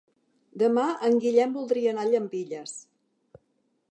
Demà en Guillem voldria anar a Llambilles.